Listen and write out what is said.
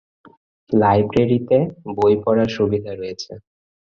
লাইব্রেরীতে বই পড়ার সুবিধা রয়েছে।